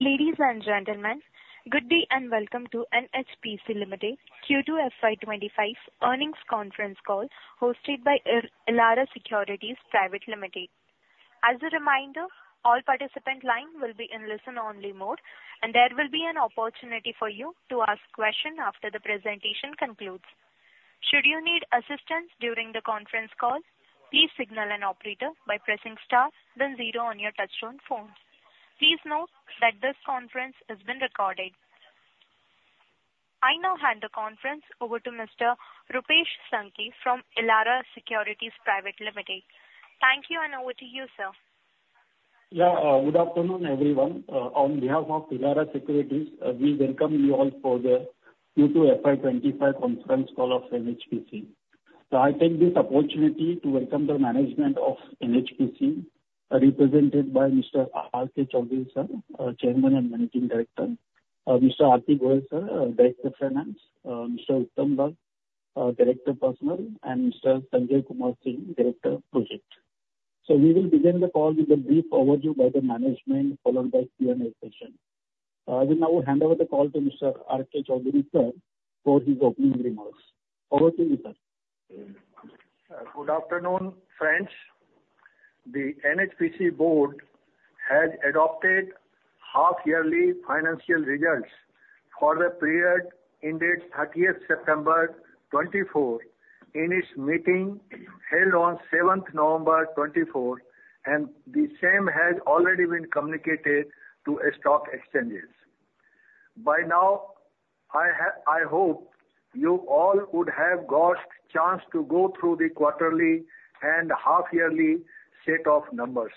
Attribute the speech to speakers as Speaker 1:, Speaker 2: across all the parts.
Speaker 1: Ladies and gentlemen, good day and welcome to NHPC Limited Q2FY25 earnings conference call hosted by Elara Securities Private Limited. As a reminder, all participant lines will be in listen-only mode and there will be an opportunity for you to ask questions after the presentation concludes. Should you need assistance during the conference call, please signal an operator by pressing star then zero on your Touch-Tone phones. Please note that this conference has been recorded. I now hand the conference over to Mr. Rupesh Sankhe from Elara Securities Private Limited. Thank you, and over to you, sir.
Speaker 2: Yeah. Good afternoon everyone. On behalf of Elara Securities, we welcome you all for the Q2FY25 conference call of NHPC. I take this opportunity to welcome the management of NHPC represented by Mr. R.K. Chaudhary, Chairman and Managing Director, R.P. Goyal, Director (Finance), Mohit Agarwal, Director (Personnel), and Mr. Sanjay Kumar Singh, Director (Projects). So we will begin the call with the brief overview by the management followed by Q&A session. I will now hand over the call to Mr. R.K. Chaudhary for his opening remarks. Over to you, sir.
Speaker 3: Good afternoon, friends. The NHPC board has adopted half-yearly financial results for the period ended 30 September 2024 in its meeting held on 7 November 2024. The same has already been communicated to stock exchanges. By now I hope you all would have got chance to go through the quarterly and half-yearly set of numbers.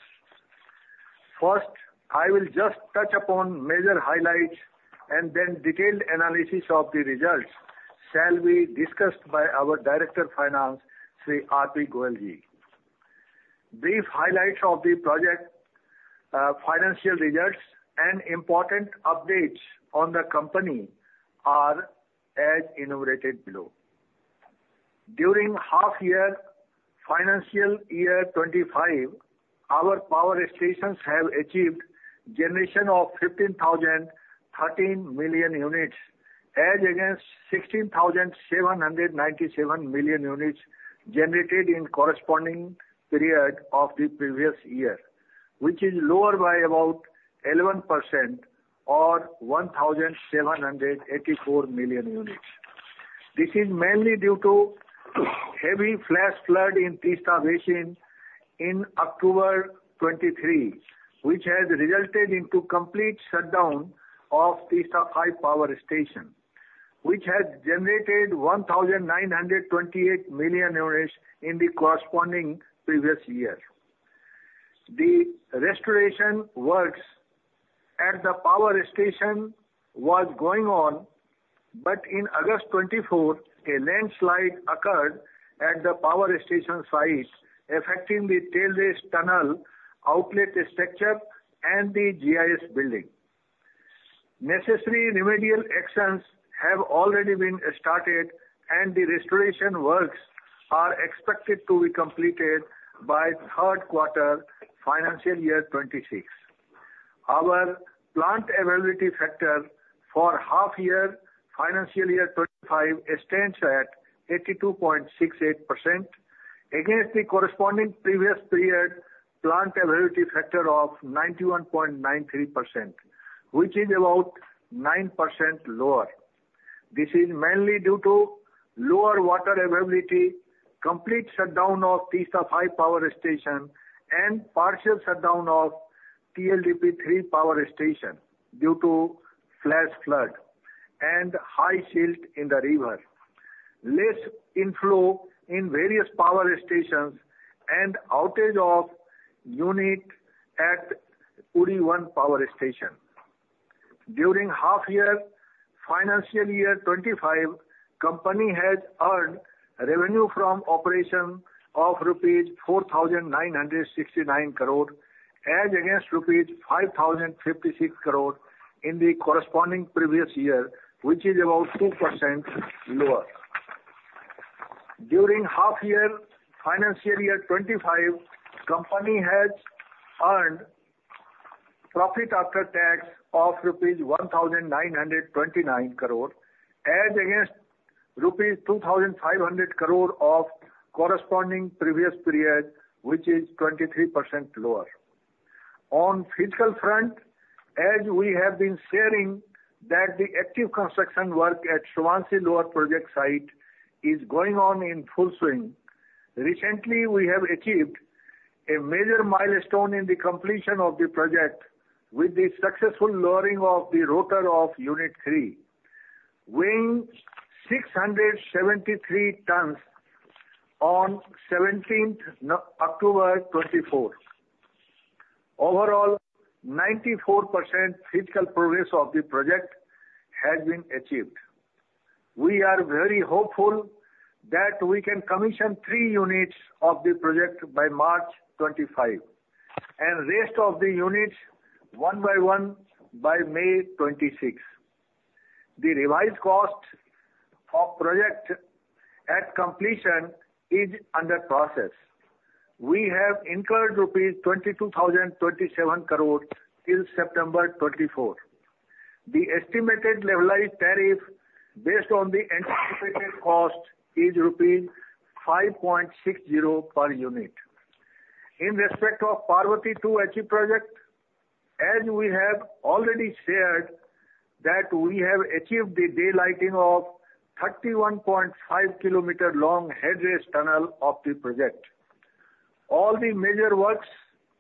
Speaker 3: First I will just touch upon major highlights and then detailed analysis of the results shall be discussed by our Director (Finance) Shri R.P. Goyal ji. Brief highlights of the half-yearly financial results and important updates on the company are as enumerated below. During half year financial year 2025 our power stations have achieved generation of 15,013 million units as against 16,797 million units generated in corresponding period of the previous year which is lower by about 11% or 1,784 million units. This is mainly due to heavy flash flood in Teesta Basin in October 2023 which has resulted into complete shutdown of Teesta-V Power Station which has generated 1,928 million units. In the corresponding previous year the restoration works at the power station was going on. But in August 2024 a landslide occurred at the power station site affecting the tail race tunnel outlet structure and the GIS building. Necessary remedial actions have already been started and the restoration works are expected to be completed by third quarter financial year 2026. Our plant availability factor for half year financial year 2025 stands at 82.68% against the corresponding previous period plant availability factor of 91.93% which is about 9% lower. This is mainly due to lower water availability, complete shutdown of Teesta-V power station and partial shutdown of TLDP-III power station due to flash flood and high silt in the river, less inflow in various power stations and outage of unit at Uri-I power station. During half-year financial year 2025 Company has earned revenue from operation of rupees 4,969 crore as against rupees 5,056 crore in the corresponding previous year which is about 2% lower. During half-year financial year 2025 Company has earned profit after tax of rupees 1,929 crore as against rupees 2,500 crore of corresponding previous period which is 23% lower. On fiscal front as we have been sharing that the active construction work at Subansiri Lower project site is going on in full swing. Recently we have achieved a major milestone in the completion of the project with the successful lowering of the rotor of unit 3 weighing 673 tons on 17th October 2024. Overall 94% physical progress of the project has been achieved. We are very hopeful that we can commission three units of the project by March 2025 and rest of the units one by one by May 2026. The revised cost of project at completion is under process. We have incurred rupees 22,027 crore till September 2024. The estimated levelized tariff based on the anticipated cost is rupees 5.60 per unit. In respect of Parvati-II Hydroelectric Project as we have already shared that we have achieved the daylighting of 31.5 kilometer long head race tunnel of the project, all the major works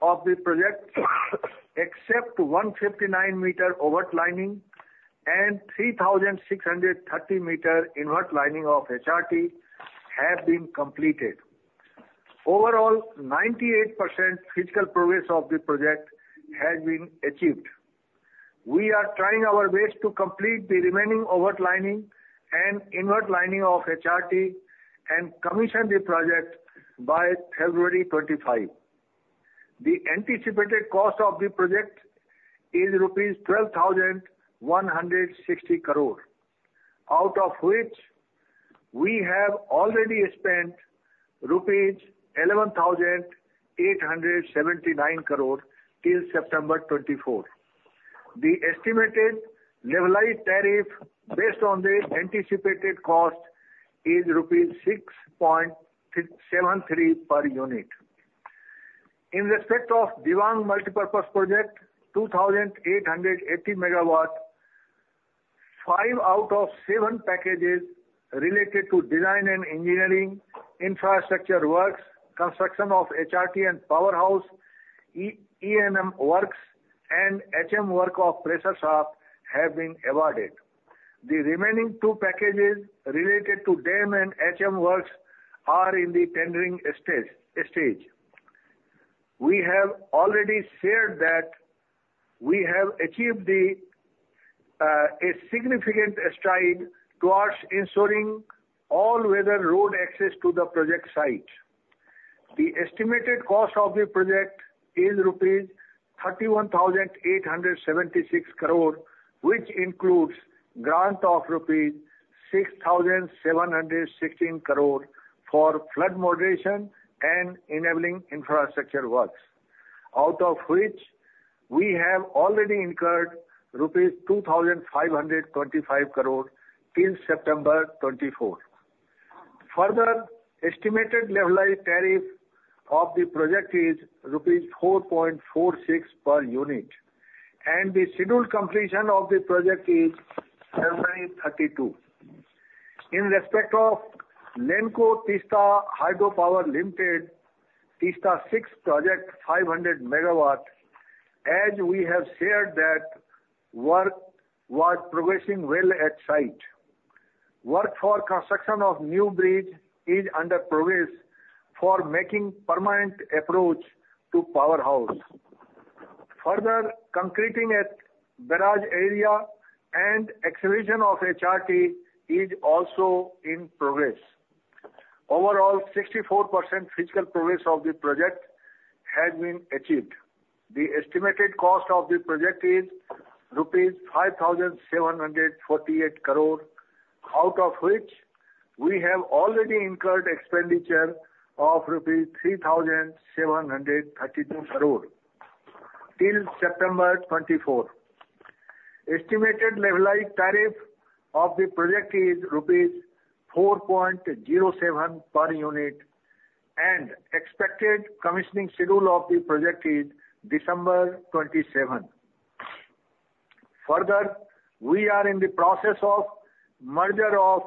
Speaker 3: of the project except 159 meter overt lining and 3,630 meter invert lining of HRT have been completed. Overall, 98% fiscal progress of the project has been achieved. We are trying our best to complete the remaining over lining and invert lining of HRT and commission the project by February 25. The anticipated cost of the project is rupees 12,160 crore out of which we have already spent rupees 11,879 crore till September 24. The estimated levelized tariff based on the anticipated cost is rupees 6.73 per unit. In respect of Dibang Multipurpose Project, 2,880 megawatts, 5 out of 7 packages related to design and engineering infrastructure works, construction of HRT and powerhouse, E&M works and HM work of pressure shaft have been awarded. The remaining two packages related to dam and HM works are in the tendering stage. We have already shared that we have achieved a significant stride towards ensuring all-weather road access to the project site. The estimated cost of the project is rupees 31,876 crore which includes grant of rupees 6,716 crore for flood moderation and enabling infrastructure works out of which we have already incurred rupees 2,525 crore since September 2024. Further estimated levelized tariff of the project is rupees 4.46 per unit and the scheduled completion of the project is 2032. In respect of Lanco Teesta Hydro Power Limited Teesta-VI Project 500 megawatt as we have shared that work was progressing well at site. Work for construction of new bridge is under progress for making permanent approach to Powerhouse. Further concreting at barrage area and excavation of HRT is also in progress. Overall 64% fiscal progress of the project has been achieved. The estimated cost of the project is rupees 5,748 crore out of which we have already incurred expenditure of rupees 3,732 crore till September 2024. Estimated levelized tariff of the project is rupees 4.07 per unit and expected commissioning schedule of the project is December 2027. Further, we are in the process of merger of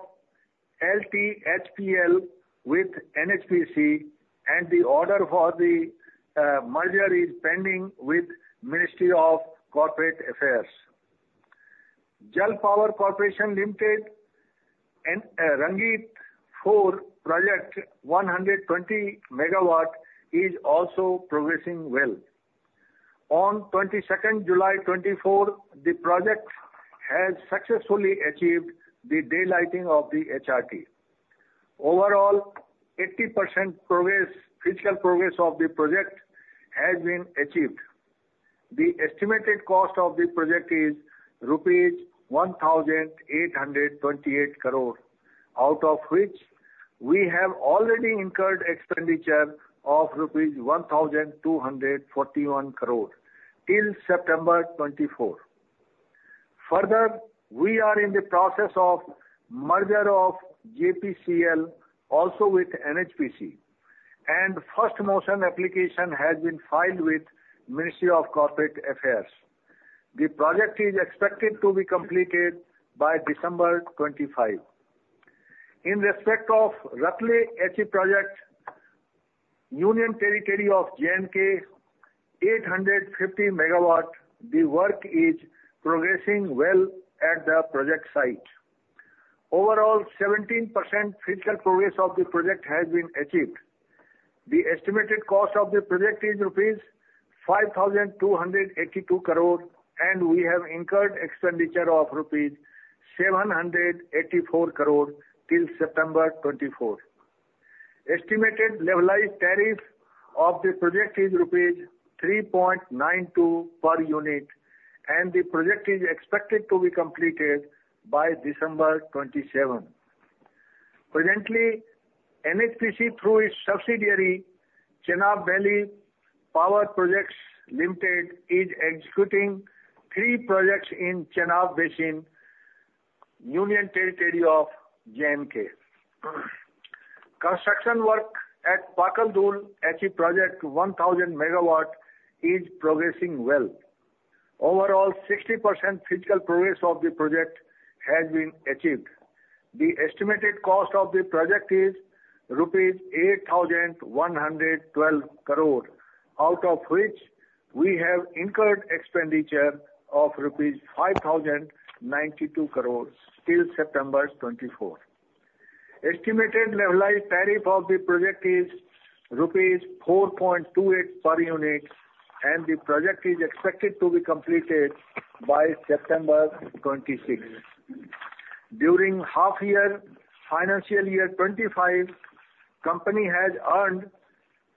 Speaker 3: LTHPL with NHPC and the order for the merger is pending with Ministry of Corporate Affairs. Jalpower Corporation Limited and Rangit-IV Project 120 megawatt is also progressing well. On 22nd July 2024 the project has successfully achieved the daylighting of the HRT. Overall 80% future progress of the project has been achieved. The estimated cost of the project is rupees 1,828 crore out of which we have already incurred expenditure of rupees 1,241 crore till September 2024. Further we are in the process of merger of JPCL also with NHPC and first motion application has been filed with Ministry of Corporate Affairs. The project is expected to be completed by December 2025. In respect of Ratle Hydroelectric Project Union Territory of Jammu and Kashmir 850 megawatt. The work is progressing well at the project site. Overall 17% physical progress of the project has been achieved. The estimated cost of the project is INR 5,282 crore and we have incurred expenditure of INR 784 crore till September 2024. Estimated levelized tariff of the project is INR 3.92 per unit and the project is expected to be completed by December 2027. Presently NHPC through its subsidiary Chenab Valley Power Projects Limited is executing three projects in Chenab Basin Union Territory of Jammu and Kashmir. Construction work at Pakal Dul Hydroelectric Project 1000 megawatt is progressing well. Overall 60% physical progress of the project has been achieved. The estimated cost of the project is 8,112 crore out of which we have incurred expenditure of rupees 5,092 crore till September 2024. Estimated levelized tariff of the project is rupees 4.28 per unit and the project is expected to be completed by September 26. During half year financial year 2025 company has earned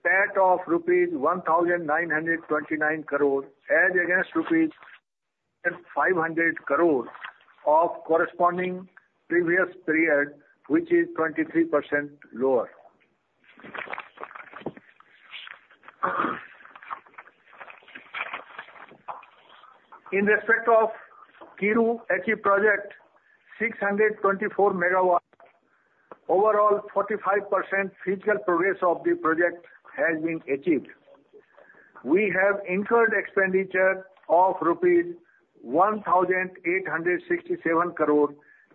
Speaker 3: PAT of rupees 1929 crore as against rupees 500 crore of corresponding previous period which is 23% lower. In respect of Kiru Hydroelectric Project 624 megawatt overall 45% physical progress of the project has been achieved. We have incurred expenditure of rupees 1867 crore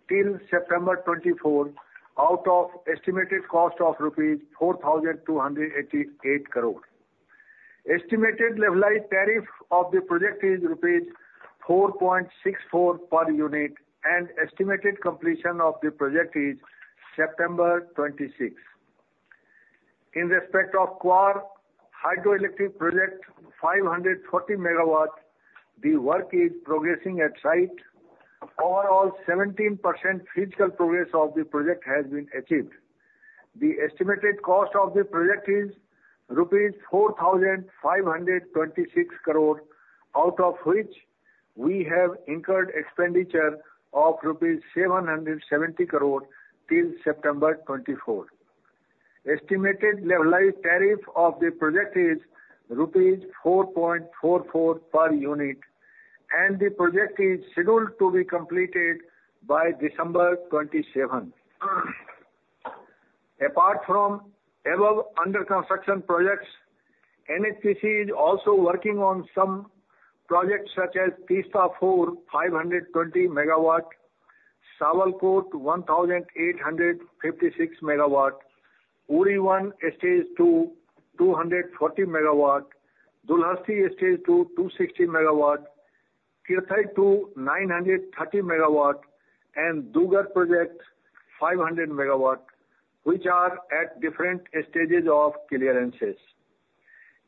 Speaker 3: till September 24th out of estimated cost of rupees 4288 crore. Estimated levelized tariff of the project is rupees 4.64 per unit and estimated completion of the project is September 26th. In respect of Kwar Hydroelectric Project 540 megawatt the work is progressing at site. Overall 17% physical progress of the project has been achieved. The estimated cost of the project is 4,526 crore rupees out of which we have incurred expenditure of 770 crore rupees till September 2024. Estimated levelized tariff of the project is rupees 4.44 per unit and the project is scheduled to be completed by December 2027. Apart from above under construction projects, NHPC is also working on some projects such as Teesta-IV 520 megawatt Sawalkot 1,856 megawatt Uri in stage 2 240 megawatt Dulhasti Stage-II 260 megawatt Kirthai-II 930 megawatt and Dugar project 500 megawatt which are at different stages of clearances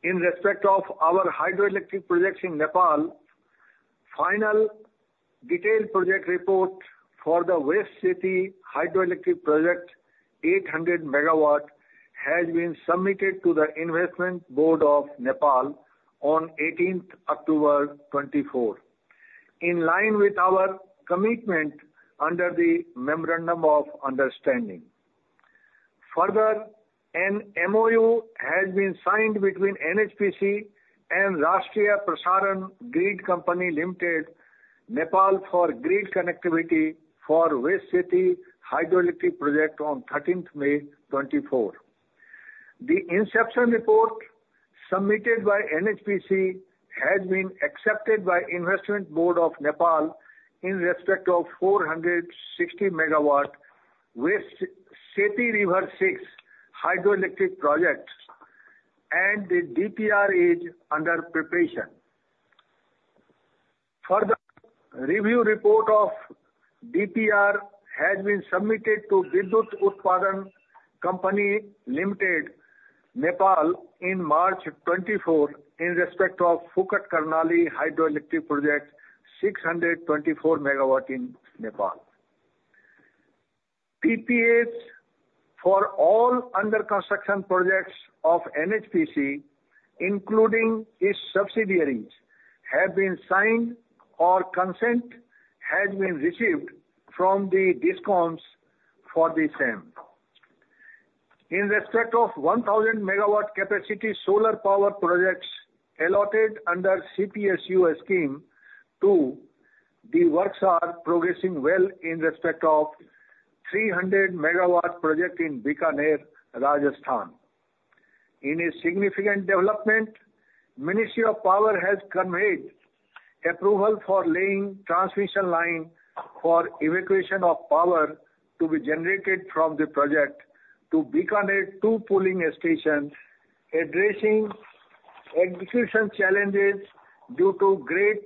Speaker 3: in respect of our hydroelectric projects in Nepal. Final detailed project report for the West Seti hydroelectric project 800 megawatt has been submitted to the Investment Board of Nepal on 18th October 2024 in line with our commitment under the Memorandum of Understanding. Further an MoU has been signed between NHPC and Rastriya Prasaran Grid Company Limited. Nepal for grid connectivity for West Seti Hydroelectric Project on 13 May 2024. The inception report submitted by NHPC has been accepted by Investment Board of Nepal in respect of 460 megawatt With Seti River-VI hydroelectric project and the DPR is under preparation for the review. Report of DPR has been submitted to Vidyut Utpadan Company Limited Nepal in March 2024 in respect of Phukot Karnali Hydroelectric Project 624 megawatt in Nepal. PPAs for all under construction projects of NHPC including its subsidiaries have been signed too or consent has been received from the DISCOMS for the same. In respect of 1000 megawatt capacity solar power projects allotted under CPSU Scheme 2, the works are progressing well in respect of 300 megawatt project in Bikaner, Rajasthan. In a significant development, Ministry of Power has conveyed approval for laying transmission line for evacuation of power to be generated from the project to Bikaner-II pooling station addressing execution challenges due to Great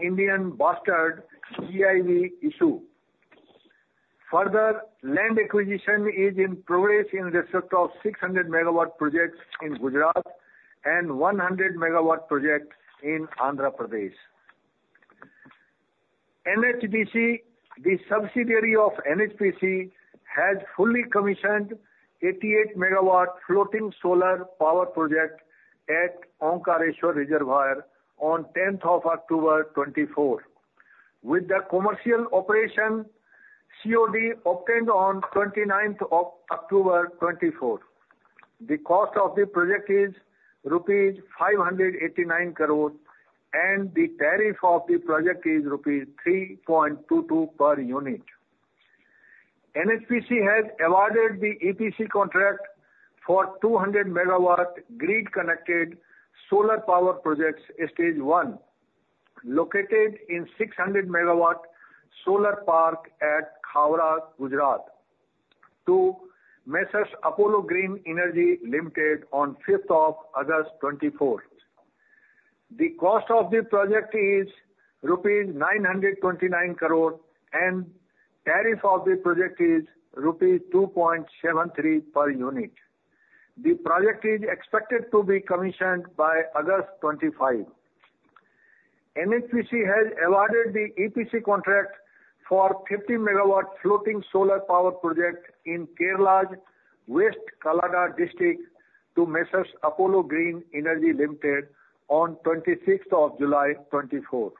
Speaker 3: Indian Bustard GIB issue. Further land acquisition is in progress in the sector 600 megawatt projects in Gujarat and 100 megawatt project in Andhra Pradesh. NHPC Renewable Energy Limited, the subsidiary of NHPC, has fully commissioned 88 megawatt floating solar power project at Omkareshwar Reservoir on 10th of October 2024 with the commercial operation COD obtained on 29th of October 2024. The cost of the project is rupees 589 crore and the tariff of the project is rupees 3.22 per unit. NHPC has awarded the EPC contract for 200 megawatt grid connected solar power projects stage one located in 600 megawatt solar park at Khavda, Gujarat to M/s Apollo Green Energy Limited on 5th of August 2024. The cost of the project is rupees 929 crore and tariff of the project is rupees 2.73 per unit. The project is expected to be commissioned by August 2025. NHPC has awarded the EPC contract for 50 megawatt floating solar power project in Kerala's West Kallada District to M/s Apollo Green Energy Limited on 26th of July 2024.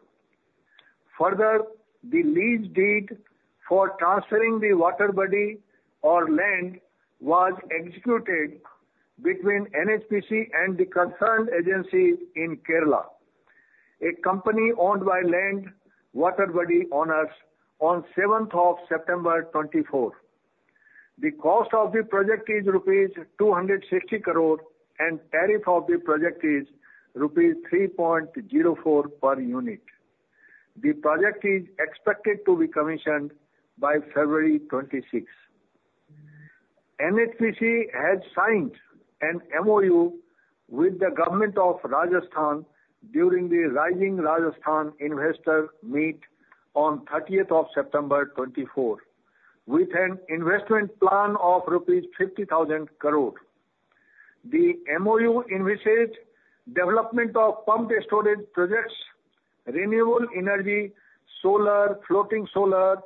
Speaker 3: Further, the lease deed for transferring the water body or land was executed between NHPC and the concerned agency in Kerala, a company owned by land water body owners on 7th of September 2024. The cost of the project is rupees 260 crore and tariff of the project is rupees 3.04 per unit. The project is expected to be commissioned by February 26. NHPC has signed an MoU with the government of Rajasthan during the Rising Rajasthan Investor Meet on 30th of September 2024 with an investment plan of rupees 50,000 crore. The MoU envisaged development of pumped storage projects, renewable energy, solar, floating solar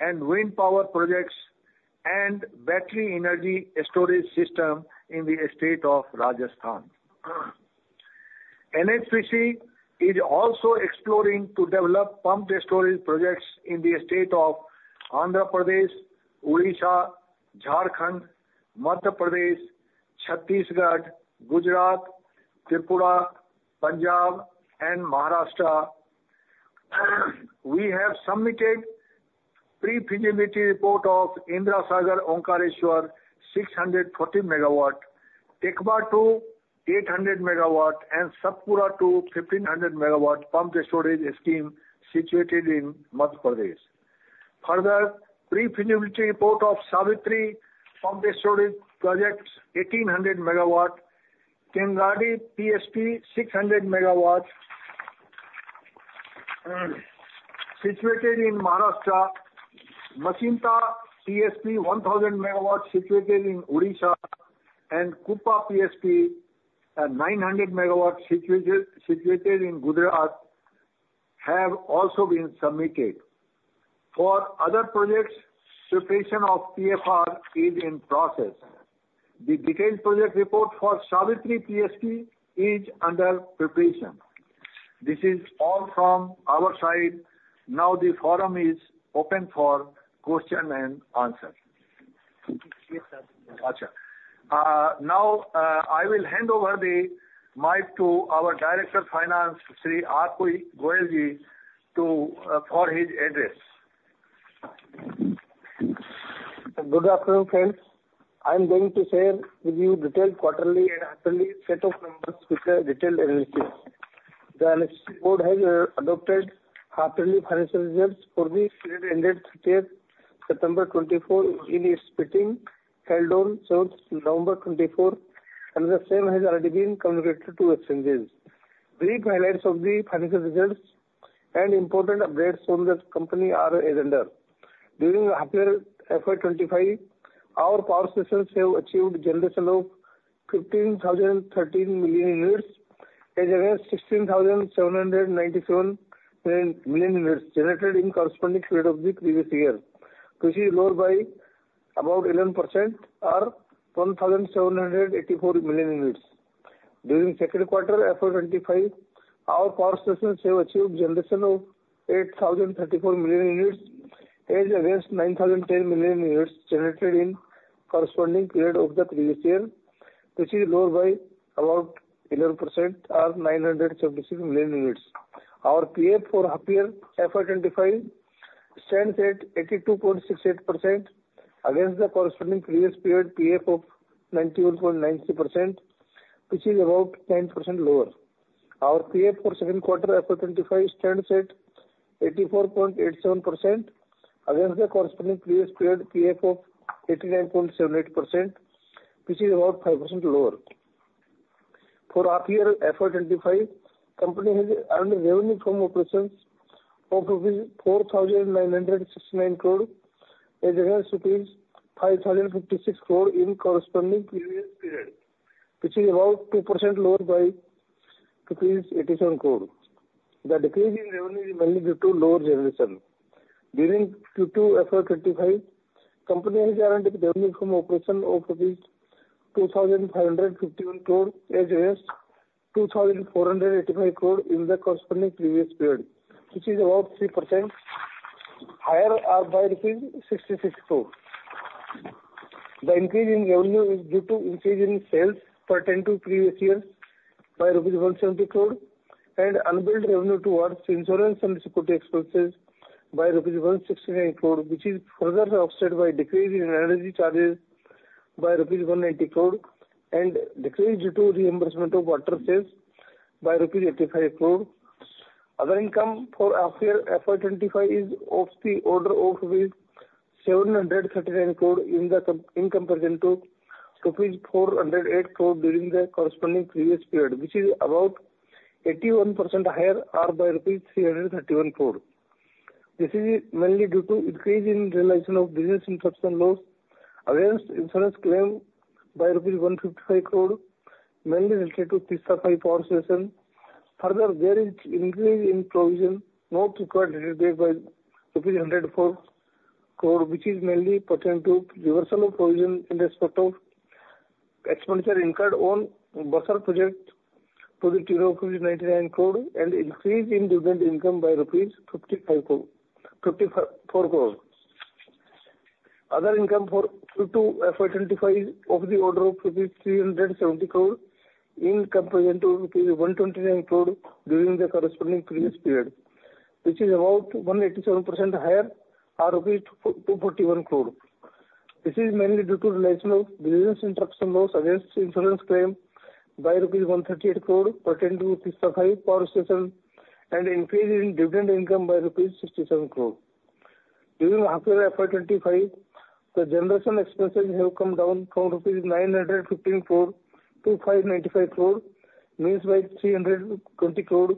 Speaker 3: and wind power projects and battery energy storage system in the state of Rajasthan. NHPC is also exploring to develop pumped storage projects in the state of Andhra Pradesh, Odisha, Jharkhand, Madhya Pradesh, Chhattisgarh, Gujarat, Tripura, Punjab and Maharashtra. We have submitted pre-feasibility report of Indira Sagar, Omkareshwar 640 megawatt, Tekwa 800 megawatt and Satpura 1500 megawatt pumped storage scheme situated in Madhya Pradesh. Further, pre-feasibility report of Savitri Pumped Storage Project 1,800 MW, Kengadi PSP 600 MW situated in Maharashtra, Mochinda PSP 1,000 MW situated in Odisha, and Kupa PSP 900 MW situated in Gujarat have also been submitted for other projects. Preparation of PFR is in process. The detailed project report for Savitri PSP is under preparation. This is all from our side. Now the forum is open for question and answer. Now I will hand over the MIC to our Director Finance Shri R.P. Goyalji for his address.
Speaker 4: Good afternoon friends. I am going to share with you detailed quarterly and quarterly set of numbers with a detailed analysis. The NHPC Board has adopted quarterly financial results for the period ended 30 September 2024 in its sitting held on 7 November 2024 and the same has already been communicated to Exchanges. Brief highlights of the financial results and important updates on the company are agenda. During FY25 our power stations have achieved generation of 15,013 million units as well as 16,797 million units generated in corresponding period of the previous year which is lower by about 11% or 1,784 million units. During second quarter FY25 our power stations have achieved generation of 8,034 million units as against 9,010 million units generated in corresponding period of the previous year which is lower by about 11% or 976 million units. Our PAF for hydro identified stands at 82.68% against the corresponding previous period PAF of 91.90% which is about 10% lower. Our PAF for second quarter FY25 stands at 84.87% against the corresponding previous period PAF of 89.78% which is about 5% lower overall. FY25 company has earned revenue from operations of INR 4,969 crore against INR 5,056 crore in corresponding previous period which is about 2% lower by rupees 87 crore. The decrease in revenue is mainly due to lower generation during Q2. FY25 company has earned revenue from operations of INR 1,025.51 crore as against INR 1,008.87 crore in the corresponding previous period which is about 3% higher by INR 16.64 crore. The increase in revenue is due to increase in sales pertain to previous years by rupees 170 crore and unbilled revenue towards insurance and security expenses by rupees 169 crore which is further offset by decrease in energy charges by rupees 190 crore and decreased due to reimbursement of water sales by rupees 85 crore. Other income for half year FY25 is of the order of 739 crore rupees in comparison to rupees 408 crore during the corresponding previous period which is about 81% higher or by rupees 331 crore. This is mainly due to increase in realization of business interruption loss against insurance claim by INR 155 crore mainly related to Teesta-V power station. Further, there is an increase in provision not required by rupees 104 cr, which is mainly pertain to reversal of provision in respect of expenditure incurred on Bursar project 29 cr and increase in dividend income by 55.54 rupees cr. Other income for FY25 of the order of 370 rupees cr in comparison to 129 rupees cr during the corresponding previous period, which is about 187% higher or INR 241 cr. This is mainly due to realizational of business interruption loss against insurance claim by INR 138 crore pertain to Teesta-V power station and increase in dividend income by INR 67 crore. During FY25, the generation expenses have come down for INR 915. 915 to 595 crore, a decrease by 320 crore,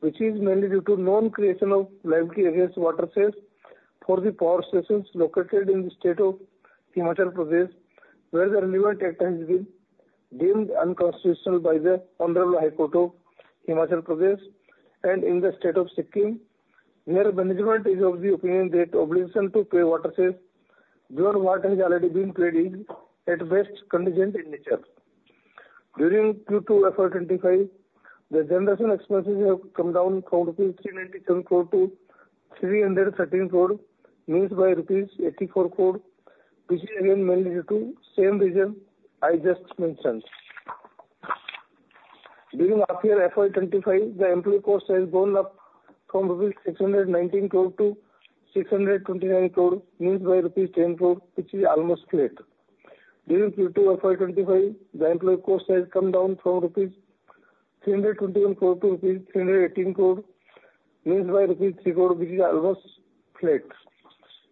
Speaker 4: which is mainly due to non-creation of liability on water cess for the power stations located in the state of Himachal Pradesh, where the relevant Act has been deemed unconstitutional by the Hon'ble High Court of Himachal Pradesh, and in the state of Sikkim. Here, management is of the opinion that obligation to pay water cess beyond what has already been paid is at best contingent in nature. During Q2 FY25, the generation expenses have come down from rupees 397 crore to 313 crore, a decrease by rupees 84 crore, which is again mainly due to the same reason I just mentioned. During Q2 FY25, the employee cost has gone up from 619 crore rupees to 629 crore, an increase by 10 crore rupees, which is almost flat. During Q2 FY25 the employee cost has come down from rupees 321 crore to rupees 318 crore means by rupees 3 crore which is almost flat.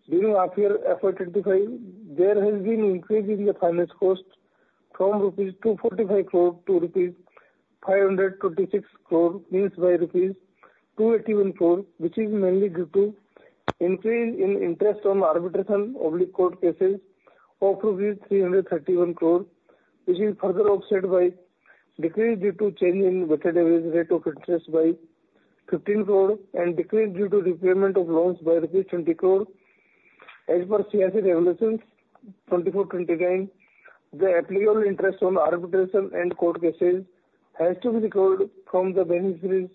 Speaker 4: During H1 FY25 there has been increase in the finance cost from 245 crore rupees to rupees 526 crore means by 281.4 rupees which is mainly due to increase in interest on arbitration / court cases of INR 331 crore which is further offset by decrease due to change in better rate of interest by INR 15 crore and decrease due to repayment of loans by INR 20 crore. As per CERC Regulations 2024-29 the applicable interest on arbitration and court cases has to be recovered from the beneficiaries.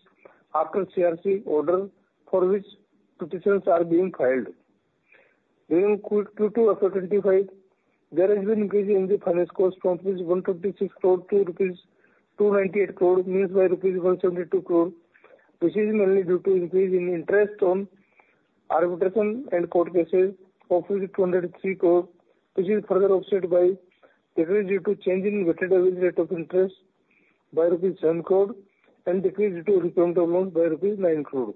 Speaker 4: After CERC order for which petitions are being filed there has been increasing the finance cost from rupees 126 crore to rupees 298 crore means by rupees 172 crore which is mainly due to increase in interest on arbitration and court cases. Of which 203 crore which is further offset by decrease due to change in weighted average rate of interest by rupees 7 crore and decrease due to repayment of loan by INR 9 crore.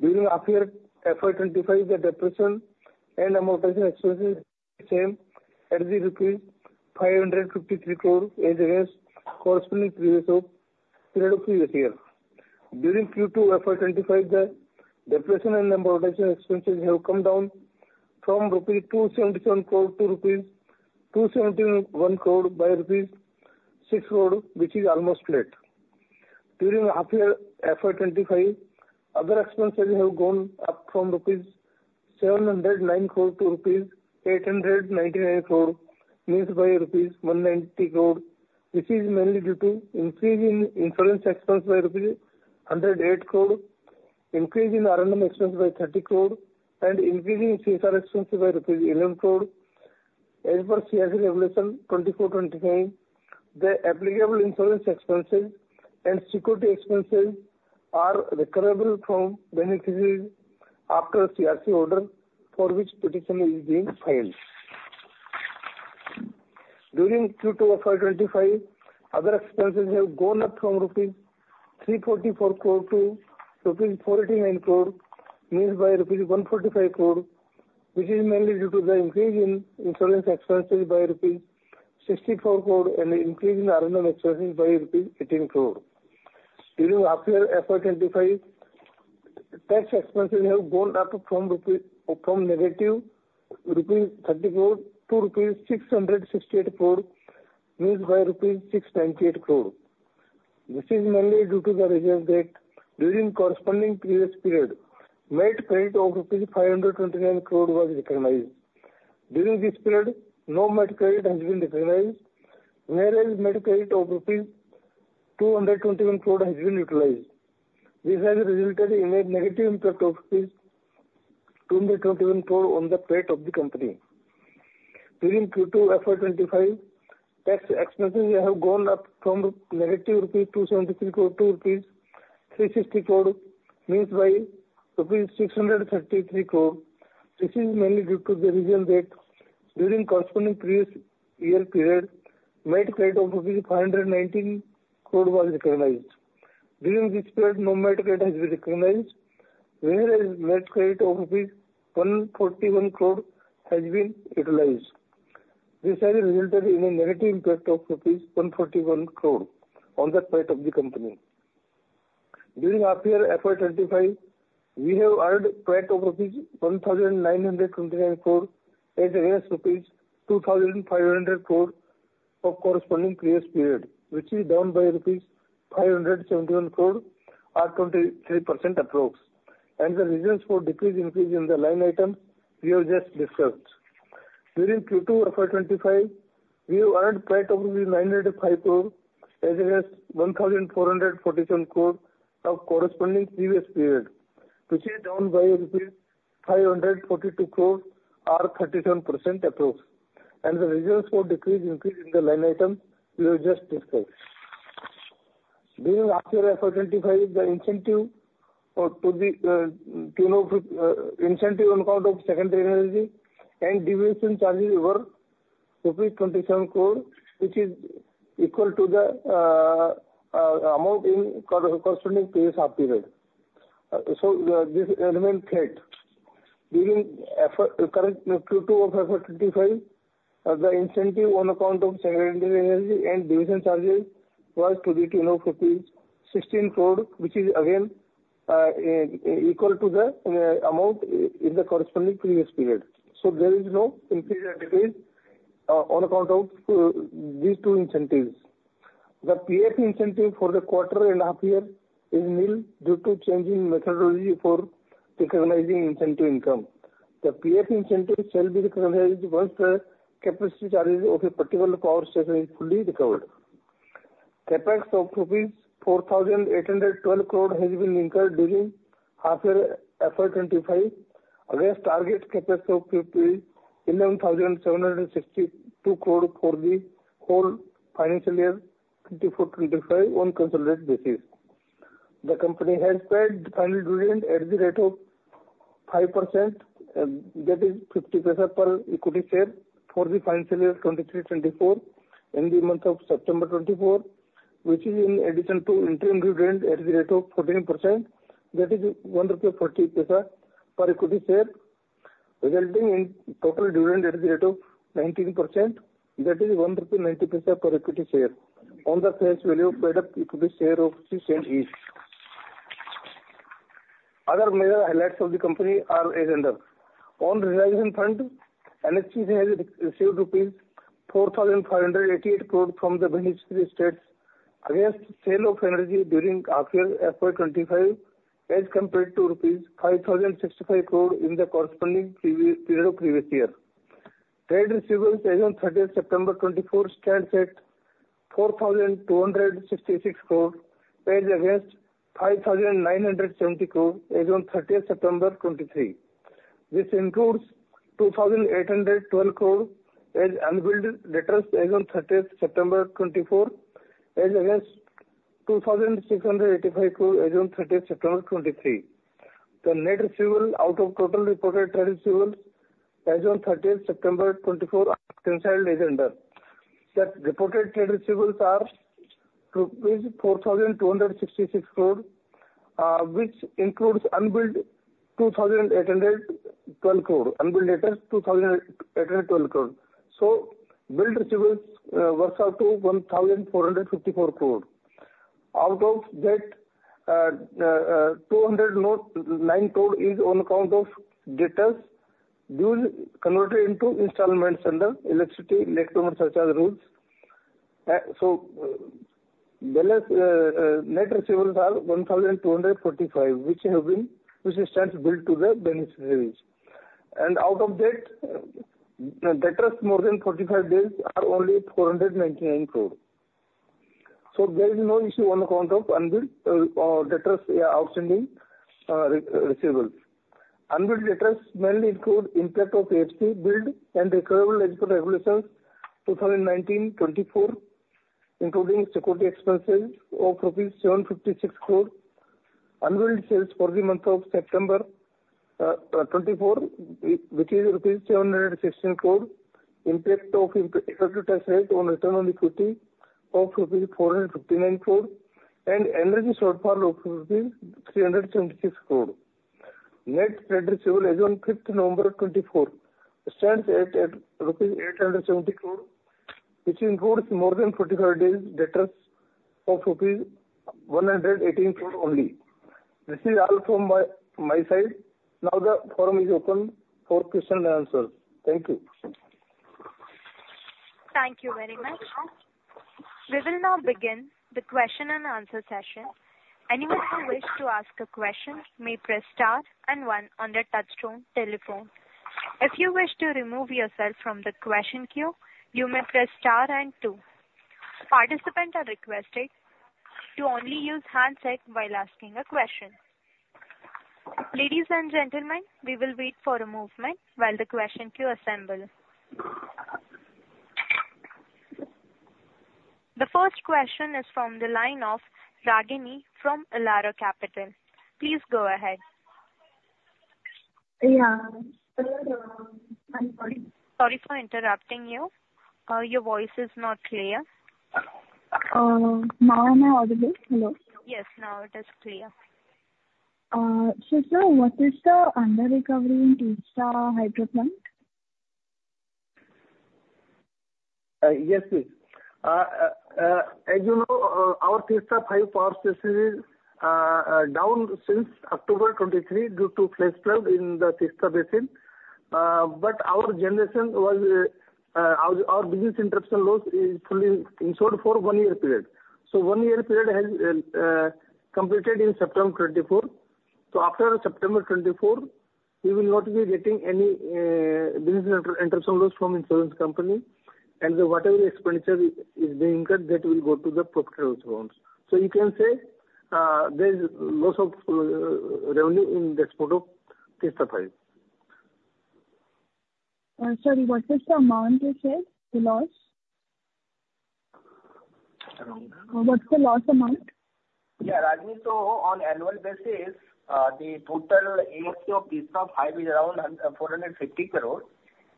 Speaker 4: During half year FY25 the depreciation and amortization expenses same at the INR 553 crore as against corresponding period of previous year. During Q2 FY25 the depreciation and amortization expenses have come down from rupees 277 crore to rupees 271 crore by Rupees. 6 crore which is almost flat. During half year FY25 other expenses have gone up from rupees 790 crore to rupees 899 crore means by INR 190 crore. This is mainly due to increase in insurance expense by rupee and the due to increase in R&M expense by 30 crore and increasing CSR expenses by 11 crore. As per CERC Regulation 2024-29, the applicable insurance expenses and security expenses are recoverable from beneficiaries after CERC order for which petition is being filed. During Q2 of FY25 other expenses have gone up from INR 344 crore to INR 489 crore means by INR 145 crore which is mainly due to the increase in insurance expenses by INR 64 crore and increase in R&M expenses by INR 18 crore. During half year FY25 tax expenses have gone up from rupee from negative INR 34 to INR 668.4 by INR 698 crore. This is mainly due to the result that during corresponding previous period MAT credit of 529 crore was recognized. During this period no MAT credit has been recognized whereas MAT credit of 221 crore has been utilized. This has resulted in a negative impact of 221 crore on the P&L of the company. During Q2FY25 tax expenses have gone up from negative rupees 73 crore to rupees 360 crore meaning by rupees 633 crore. This is mainly due to the reason that during corresponding previous year period MAT credit of 519 crore was recognized. During this period no MAT credit has been recognized whereas MAT credit of rupees 141 crore has been utilized. This has resulted in a negative impact of rupees 141 crore on the P&L of the company. During FY25 we have earned PAT of INR 19. 29 crore as against rupees 2,500 crore of corresponding previous period which is down by rupees 571 crore or 23% approx and the reasons for decrease increase in the line items we have just discussed. During Q2FY25 we have earned PAT of INR 905 crore as against 1,447 crore of corresponding previous period which is down by 542 crore or 37% approx and the reasons for decrease increase in the line item we have just discussed. During Q3 FY25 the incentives to the tune of incentives on account of secondary energy and deviation charges of INR 27 crore which is equal to the amount in corresponding period. This element, there, during Q2 of FY25 the incentive on account of secondary energy and deviation charges was to the tune of 16 crore which is again equal to the amount in the corresponding previous period. There is no pendency on account of these two incentives. The PAF incentive for the quarter and half year is nil due to change in methodology for recognizing incentive income. The PAF incentive shall be recognized once the capacity charges of a particular power station is fully recovered. CapEx of rupees 4,812 crore has been incurred during half year FY25 against target CapEx of 51,762 crore for the whole financial year 2024-25 on consolidated basis. The company has paid final dividend at the rate of 5% that is INR 0.50 per equity share for the financial year 2023-24 in the month of September 2024 which is in addition to interim dividend at the rate of 14% that is 1.40 rupee per equity share resulting in total dividend at the rate of 19% that is 1.90 rupee per equity share on the face value per equity share of 10. Other major highlights of the company are Advance on Realization Front. NHPC has received INR 4,588 crore from the beneficiary states against sale of energy during a year FY25 as compared to rupees 5,065 crore in the corresponding period of previous year. Trade receivables as on 30th September 2024 stands at 4266 crore as against 5970 crore as on 30th September 2023. This includes 2812 crore as unbilled revenues as on 30th September 2024 as against 2685 crore as on 30th September 2023. The net receivable out of total reported trade receivables as on 30th September 2024 is. Under that reported trade receivables are INR 4266 crore which includes unbilled INR 2812 crore and billed revenues INR 2812 crore. So billed receivables works out to INR 1454 crore. Out of that INR 209 crore is on account of debtors converted into installments under Electricity late payment surcharge rules. So net receivables are 1245 crore which have been raised and billed to the beneficiaries and out of that debtors more than 45 days are only 499 crore. So there is no issue on account of unbilled or debtors outstanding receivable. Unrealized losses mainly include impact of HP Bill and Recovery Regulations 2019-24 including security expenses of rupees 756 crore. Unbilled sales for the month of September 2024 which is INR 716 crore. Impact of effective tax rate on return on equity of INR 459 crore and energy shortfall of INR 376 crore. Net credit receivable as on 5th November 2024 stands at INR 870 crore which includes more than 45 days debtors of INR 118 crore only. This is all from my side. Now the floor is open for question and answers. Thank you.
Speaker 1: Thank you very much. We will now begin the question and answer session. Anyone who wish to ask a question may press star and one on the touch-tone telephone. If you wish to remove yourself from the question queue you may press star and 2. Participants are requested to only use handset while asking a question. Ladies and gentlemen, we will wait for a moment while the question queue assemble. The first question is from the line of Ragini from Elara Capital. Please go ahead.
Speaker 5: Yeah.
Speaker 1: Sorry for interrupting you. Your voice is not clear.
Speaker 5: Now. Am I audible? Hello.
Speaker 1: Yes, now it is clear.
Speaker 5: So, sir, what is the under recovery in the hydro plant?
Speaker 3: Yes please. As you know our Teesta-V power station is down since October 23rd due to flash flood in the Teesta Basin. Our business interruption loss is fully insured for one year period. So one year period has completed in September 24th. So after September 24th we will not be getting any business interruption loss from insurance company. And whatever expenditure is being incurred that will go to the property loss. So you can say there is loss of revenue in the export of Teesta-V.
Speaker 5: Sorry, what is the amount? You said the loss. What's the loss amount?
Speaker 3: Yeah, Ragini. So on annual basis the total loss of Teesta-V HEP is around 450 crore.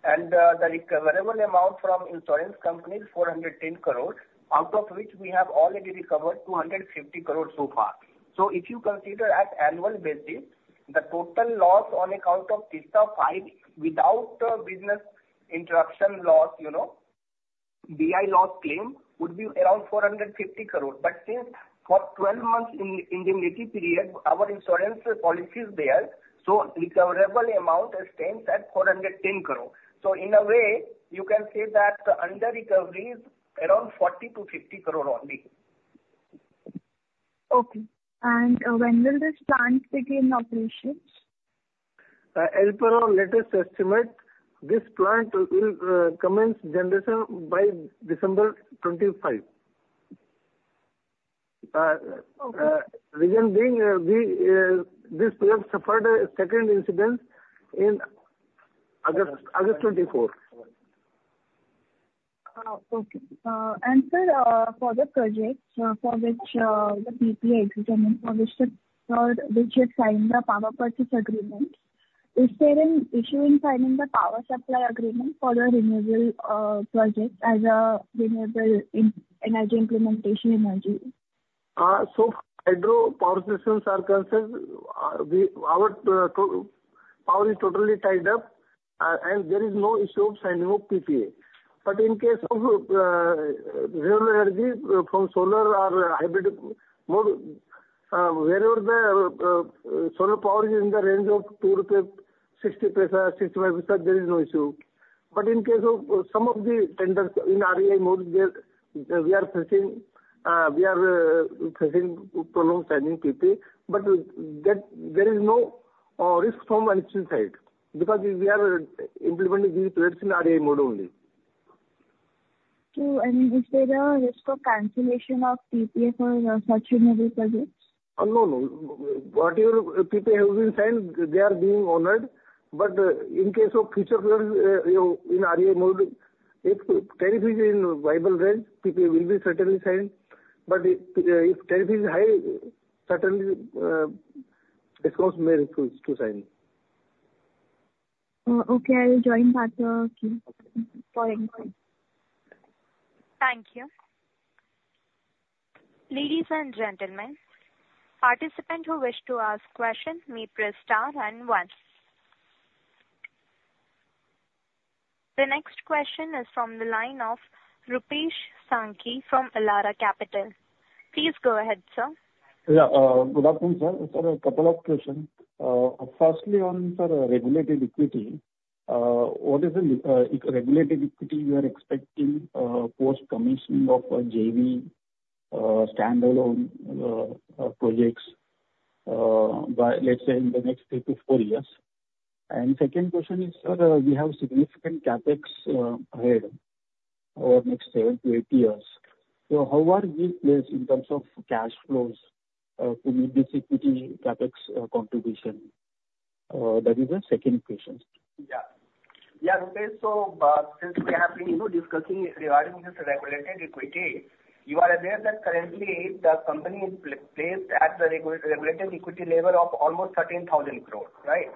Speaker 3: And the recoverable amount from insurance companies 410 crore. Out of which we have already recovered 250 crore so far. So if you consider at annual basis the total loss on account of Teesta-V without business interruption loss. You know BI loss claim would be around 450 crore. But since for 12 months in indemnity period our insurance policy is there. So recoverable amount stands at 410 crore. So in a way you can say that under recovery is around 40-50 crore only.
Speaker 5: Okay. And when will this plant begin operations?
Speaker 3: Latest estimate this plant will commence generation by December 25th. Reason being this, we have suffered a second incident in August 24th. Okay. Answer.
Speaker 5: For the project for which the PPA exit information which had signed the power purchase agreement. Is there an issue in signing the power supply agreement for the renewable project? As a renewable energy implementation energy
Speaker 3: so. Hydropower systems are concerned. Our power is totally tied up and there is no issue of signing PPA. But in case of renewable energy from solar or hybrid, wherever the solar power is in the range of 2.60-2.65 rupees there is no issue. But in case of some of the tenders in REIA mode we are facing prolonged signing PPA. But that there is no risk from NHPC side. Because we have implemented these projects in REIA mode only.
Speaker 5: True. And if there are risk of cancellation of TPA for such a.
Speaker 3: No, no. Whatever PPAs have been signed, they are being honored. But in case of future in REIA mode if tariff is in viable range, PPA will be certainly signed. But if tariff is high, certainly respondents may refuse to sign.
Speaker 5: Okay, I'll join that.
Speaker 1: Thank you. Ladies and gentlemen, participants who wish to ask a question may press star and 1. The next question is from the line of Rupesh Sankhe from Elara Capital. Please go ahead, sir.
Speaker 2: Good afternoon Sir, a couple of questions. Firstly on regulated equity, what is the regulated equity you are expecting post commissioning of a JV standalone projects by let's say in the next three to four years? And second question is we have significant CapEx ahead over next seven to eight years. So how are these placed in terms of cash flows equity CapEx contribution? That is the second question.
Speaker 3: Yeah. Yeah. Since we have been discussing regarding. This regulated equity, you are aware that. Currently the company is placed at the regulated equity level of almost 13,000 crore. Right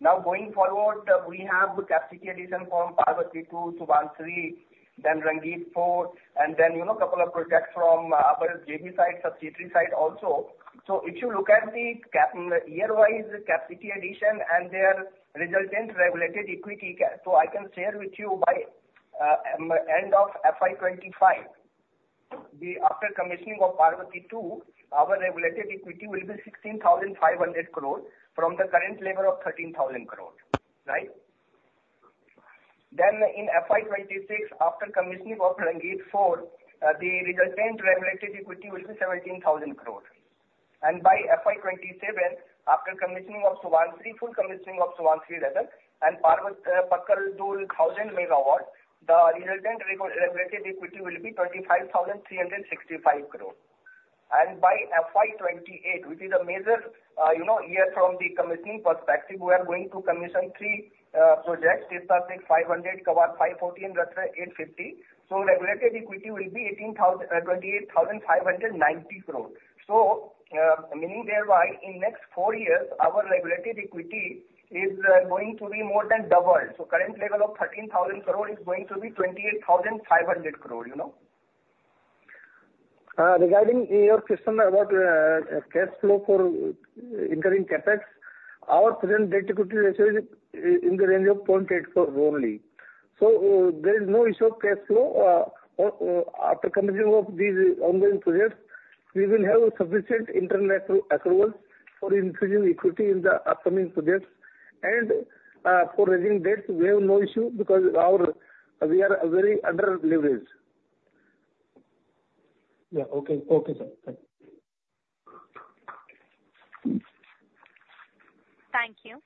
Speaker 3: now going forward we have capacity addition from Parvati 2, Subansiri then Rangit 4 and then you know couple of projects from our J&K side subsidiary side also. So if you look at the capex year wise capacity addition and their resultant regulated equity. So I can share with you. By end of FY25 the after commissioning of Parvati 2 our regulated equity will be 16,500 crore. From the current level of 13,000 crore. Right. Then in FY26 after commissioning of Rangit 4 the resultant regulated equity will be 17,000 crore. And by FY27 after commissioning of Subansiri full commissioning of Subansiri Lower. Pakal Dul thousand megawatt. The resultant regulated equity will be 25,365 crore. By FY28 which is a major, you know, year from the commissioning perspective we are going to commission three projects. 500, 514, 850. Regulated equity will be 18,000, 28,590 crore. Meaning thereby in next four years our regulated equity is going to be more than double. Current level of 13,000 crore is going to be 28,500 crore. You know.
Speaker 4: Regarding your question about cash flow for incurring Capex, our present debt equity ratio is in the range of 0.84 only. So there is no issue of cash flow. After commission of these ongoing projects, we will have sufficient internal accruals for increasing equity in the upcoming projects and for raising debts. We have no issue because we are very underleveraged.
Speaker 2: Yeah. Okay. Focus.
Speaker 1: Thank you.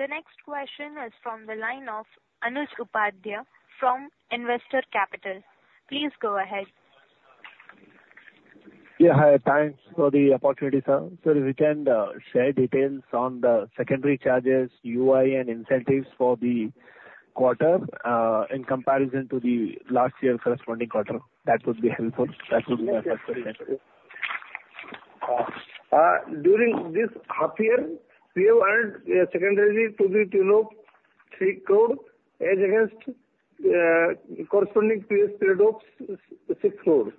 Speaker 1: The next question is from the line of Anuj Upadhyay from Investec Capital. Please go ahead.
Speaker 6: Yeah. Hi. Thanks for the opportunity, sir. So if you can share details on the secondary charges, UI and incentives for the quarter in comparison to the last year for corresponding quarter that would be helpful.
Speaker 4: During this half year we have earned a secondary to the tune of 3 crore as against corresponding previous period of 6 crores.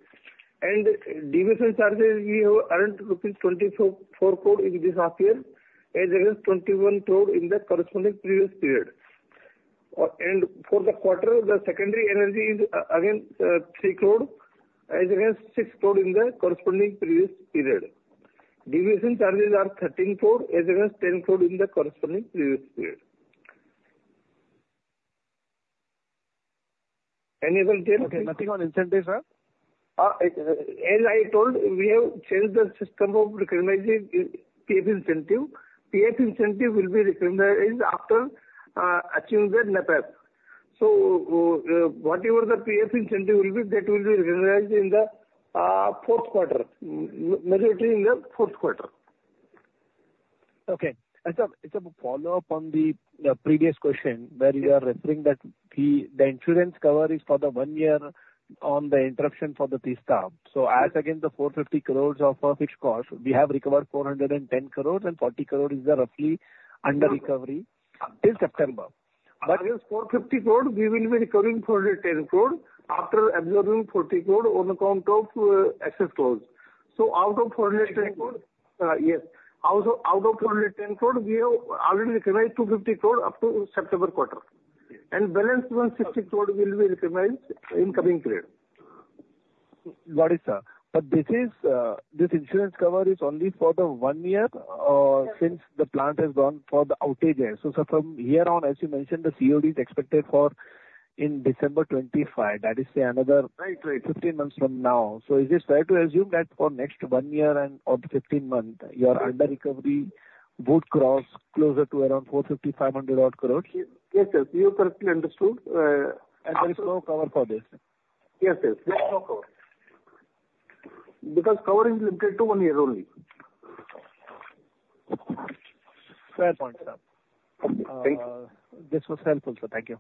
Speaker 4: Deviation charges we have earned rupees 24 crore in this half year as against 21 crore in the corresponding previous period. For the quarter the secondary energy is again 3 crore as against 6. Cr in the corresponding previous period. Deviation charges are INR 13 crore as well as 10 cr in the corresponding previous period.
Speaker 6: Anything on incentives?
Speaker 4: As I told we have changed the system of recognizing PF incentive. PF incentive will be recognized after achieving the NAPAF. So whatever the PF incentive will be that will be recognized in the fourth quarter. In the fourth quarter.
Speaker 3: Okay. It's a follow up on the previous question where you are referring that the. The insurance cover is for the one. Year on the interruption for the T stop. So. So as again the 450 crores of fixed cost we have recovered 410 crores. And 40 crores is the roughly under recovery till September.
Speaker 4: But 450 crores. We will be recovering 410 crore after absorbing 40 crore on account of excess loss. So out of 410 crore, we have already recognized 250 crore up to September quarter and balance 160 crore will be recognized in coming quarters.
Speaker 6: Got it sir. This insurance cover is only for the one year since the plant has gone for the outages. So sir, from here on, as you mentioned, the COD is expected in December 2025. That is to say another 15 months from now. So is this fair to assume that? For next one year or 15 months your under recovery would cross closer to around 450-500 odd crore. Yes, yes, you correctly understood there is no cover for this.
Speaker 4: Yes, because cover is limited to one year only.
Speaker 6: Fair point, sir. This was helpful so thank you.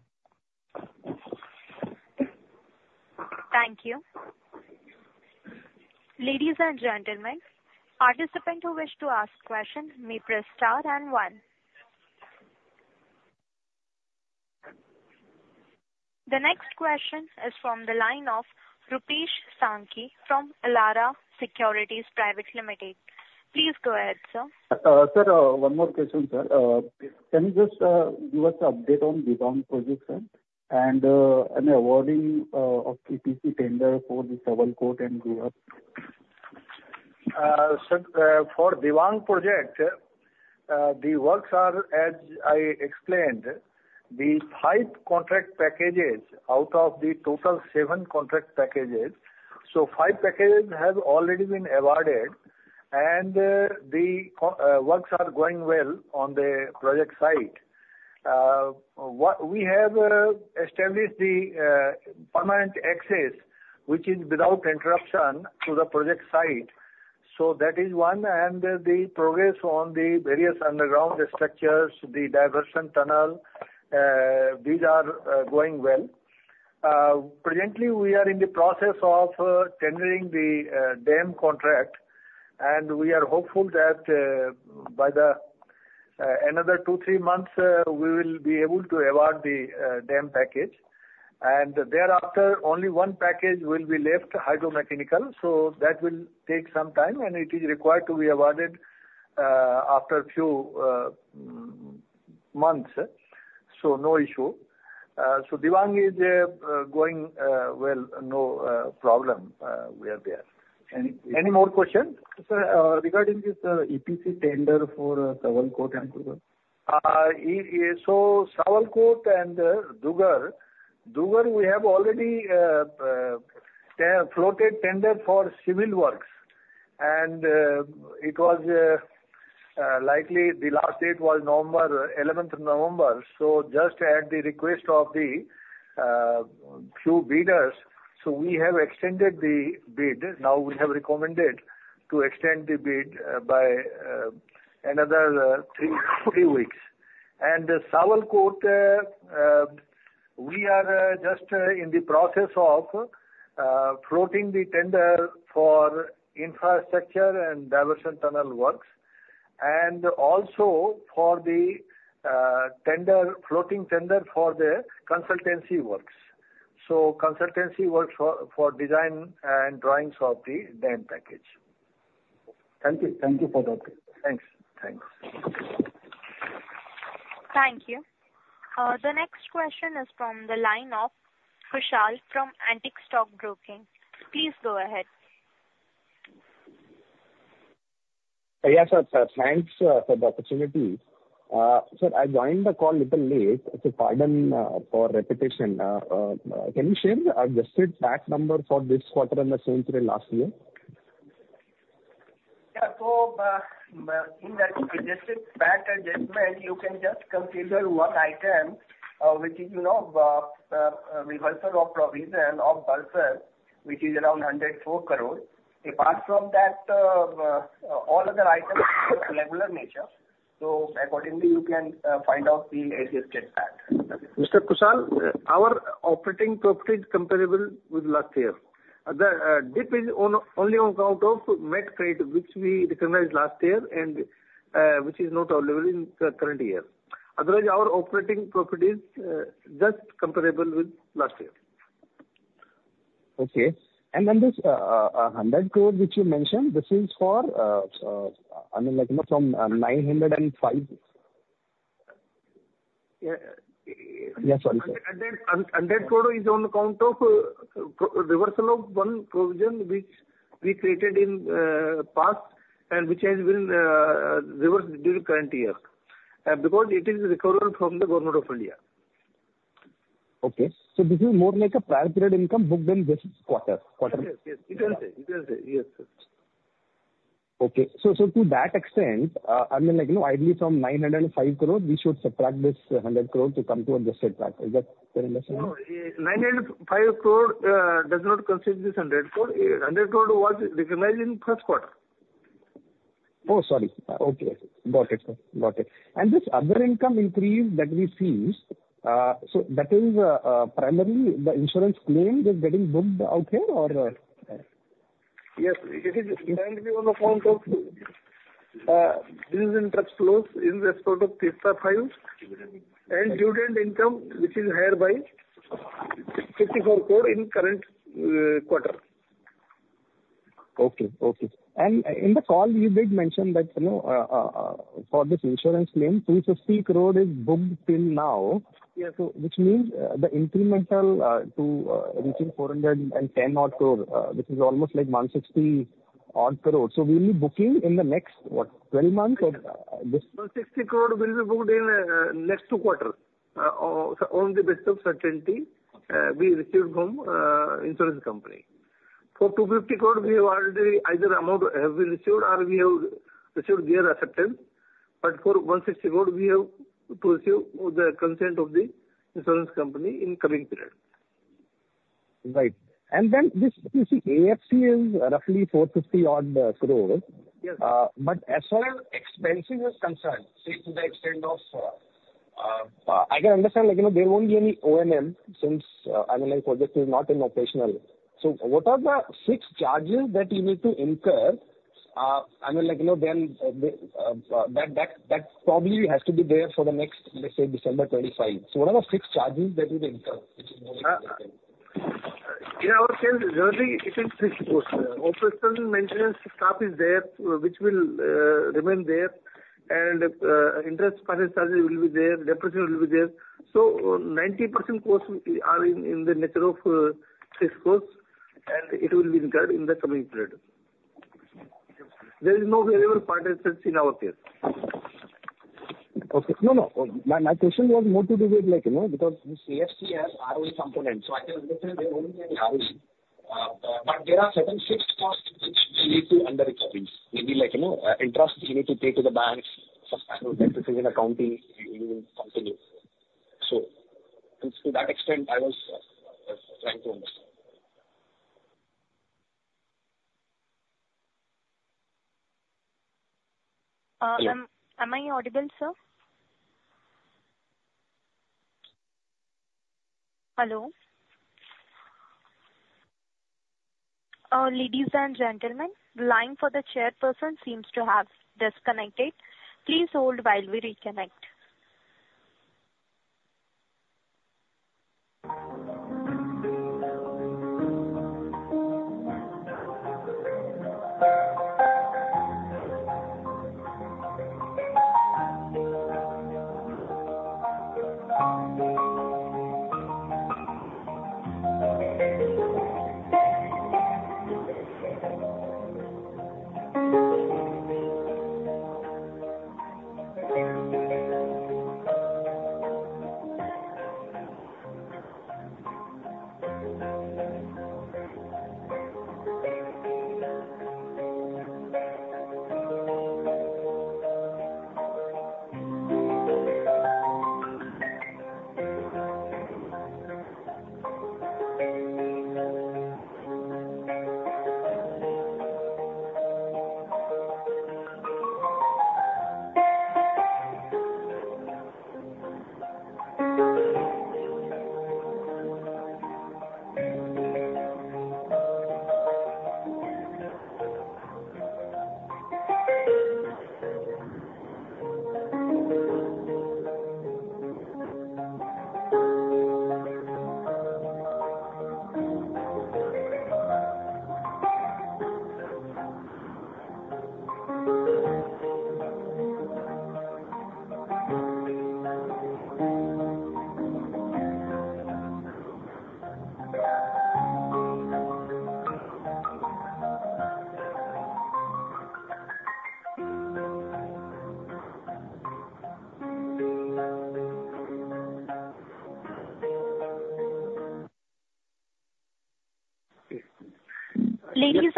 Speaker 1: Thank you ladies and gentlemen. Participant who wish to ask question may press star and 1. The next question is from the line of Rupesh Sankhe from Elara Securities Private Limited. Please go ahead sir.
Speaker 2: One more question. Sir, can you just give us update on demand projection and an awarding of EPC tender for the Savitri and Kengadi.
Speaker 3: For Dibang project. The works are as I explained the five contract packages out of the total seven contract packages. So five packages have already been awarded and the works are going well on the project site. We have established the permanent access which is without interruption to the project site. So that is one. And the progress on the various underground structures, the diversion tunnel, these are going well. Presently we are in the process of tendering the dam contract and we are hopeful that by the another two, three months we will be able to award the dam package and thereafter only one package will be left hydro-mechanical. So that will take some time and it is required to be awarded after few. Months. So no issue. Dibang is going well. No problem. Are there any more questions regarding. This EPC tender for Sawalkot and Kiru. Sawalkot and Dugar. Dugar. We have already floated tender for civil works and it was likely the last date was November 11th. November. So just at the request of the few bidders so we have extended the bid. Now we have recommended to extend the bid by another three weeks and the Sawalkot? We are just in the process of floating the tender for infrastructure and diversion tunnel works and also for the floating tender for the consultancy works. So consultancy works for design and drawing solutions the then package.
Speaker 2: Thank you. Thank you for that.
Speaker 3: Thanks. Thanks.
Speaker 1: Thank you. The next question is from the line of Kushal from Antique Stock Broking. Please go ahead.
Speaker 7: Yes sir. Sir, thanks for the opportunity, Sir. I joined the call a little late. It's a pardon for repetition. Can you share the adjusted tax number for this quarter and the same last year?
Speaker 3: So in that adjusted PAT adjustment you can just consider one item which is, you know, reversal of provision of Bursar which is around 104 crore. Apart from that all other items. So accordingly you can find out the adjusted PAT.
Speaker 4: Our operating profit comparable with last year. The dip is only on account of MAT credit which we recognized last year and which is not available in current year. Otherwise our operating profit is just comparable with last year. Okay.
Speaker 7: And then this 100 crore which you mentioned. This is for. I mean like from 905.
Speaker 4: Yeah,
Speaker 7: yeah, sorry.
Speaker 4: Net CR is on account of reversal of one provision which we created in past and which has been reversed during current year because it is recovered from the Government of India.
Speaker 7: Okay, so this is more like a prior period income booked than this quarter. Quarter. Okay. So. So to that extent I mean like you know ideally from 905 crores we should subtract this 100 crore to come to adjusted. Is that fair?
Speaker 4: No. 905 cr does not consist. This 100 cr was recognized in first quarter.
Speaker 7: Oh, sorry. Okay, got it, got it. And this other income increase that we see is. So that is primarily the insurance claim is getting booked out here or.
Speaker 4: Yes, this is in tax close in the spot of 3.5 and. Subsidiary income which is higher by 54%. crore in current quarter.
Speaker 7: And in the call you did mention that for this insurance claim CR is booked till now. Yeah. So, which means the incremental to reaching 410-odd crore, which is almost like 160-odd crore. So, we'll be booking in the next what 12 months.
Speaker 4: 160 crore will be booked in next two quarters. On the basis of certainty we received from insurance company for 250 crore. We have already either amount have been issued or we have received their acceptance. But for 164 we have to receive the consent of the insurance company in coming period. Right.
Speaker 7: Then this you see AFC is roughly 450 crore. But as far as expenses is concerned say to the extent of. I can understand like you know there won't be any O&M since the project is not operational. So what are the fixed charges that you need to incur? I mean like you know then that. That probably has to be there for the next. Let's say December 25th. So what are the fixed charges that you incur?
Speaker 4: Operational maintenance stuff is there which will remain there, and interest charges will be there. Depreciation will be there. So 90% cost are in the nature of, and it will be incurred in the coming period. There is no variable partnerships in our case.
Speaker 2: Okay. No, no. My question was more to do with, like, you know, because there are certain fixed costs which we need to incur on equipment. Maybe, like, you know, interest you need to pay to the banks, accounting. So to that extent I was trying to understand.
Speaker 1: Am I audible, sir? Hello, ladies and gentlemen. Line for the chairperson seems to have disconnected. Please hold while we reconnect.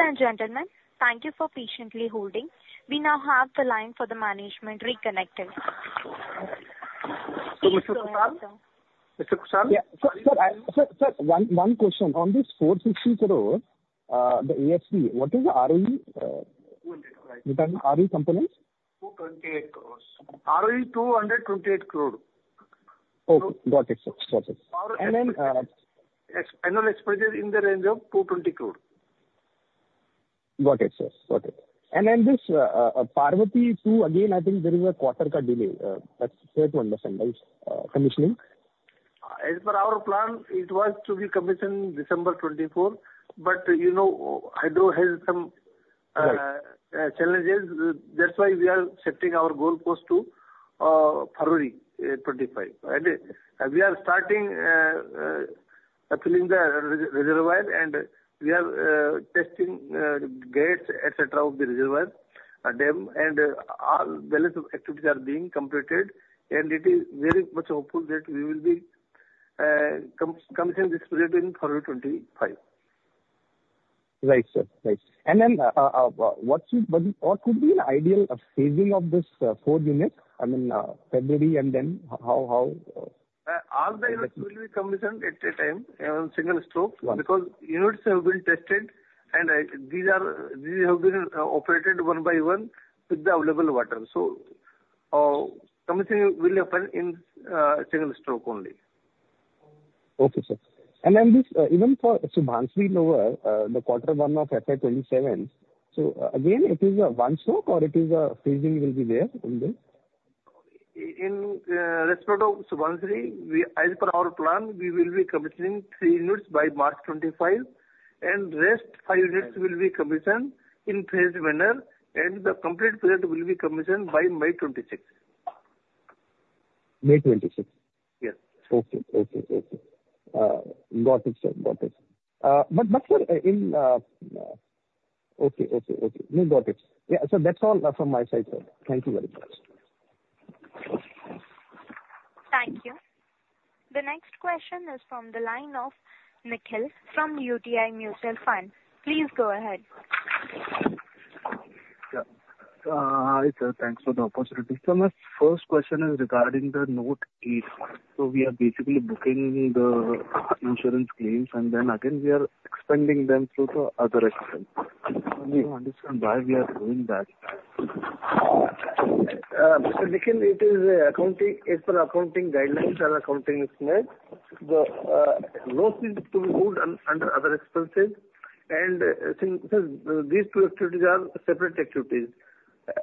Speaker 8: Sam.
Speaker 1: Ladies and gentlemen, thank you for patiently holding. We now have the line for the management reconnected.
Speaker 7: One question on this 460 crore, the AFC. What is the ROE? Components?
Speaker 4: ROE 228 crore.
Speaker 7: Okay, got it.
Speaker 4: Annual expenses in the range of 220 crore.
Speaker 7: Got it, sir. Got it, and then this Parvati-II again, I think there is a quarter cut delay. That's fair to understand, right? Commissioning,
Speaker 4: as per our plan, it was to be commissioned December 24th. But you know hydro has some challenges. That's why we are setting our goal post to February 25th. We are starting filling the reservoir and we are testing gates etc. of the reservoir then and all balance of activities are being completed, and it is very much open that we will become in this period in February 25.
Speaker 7: Right, sir. Right. And then what could be an ideal phasing of this four units? I mean, February and then how?
Speaker 4: All the units will be commissioned at a time on single stroke. Because units have been tested and these are. These have been operated one by one with the available water. So. Or something will happen in a single stroke only.
Speaker 7: Okay, sir. And then this, even for Subansiri Lower over the quarter one of FY27. So again, it is a one stroke. Or it is a freezing will be there.
Speaker 3: In respect of Subansiri, as per our plan, we will be commissioning three units by March 2025 and rest five units will be commissioned in phased manner. And the complete project will be commissioned by May 2026th.
Speaker 7: May 26th.
Speaker 3: Yes.
Speaker 7: Okay. Okay. Okay. Got it sir. Got it. But in. Okay. No, got it. Yeah. So that's all from my side, sir. Thank you very much.
Speaker 1: Thank you. The next question is from the line of Nikhil from UTI Mutual Fund. Please go ahead.
Speaker 9: Hi sir. Thanks for the opportunity. My first question is regarding the Note 8. We are basically booking the insurance. Claims, and then again we are expending them through the other. Understand why we are doing that.
Speaker 4: Mr. Nikhil. It is a contingency, it's per accounting guidelines and accounting is made. The loss is to be moved under other expenses. These two activities are separate activities.